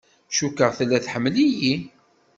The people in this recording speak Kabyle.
Cukkeɣ tella tḥemmel-iyi.